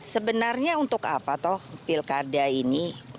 sebenarnya untuk apa toh pilkada ini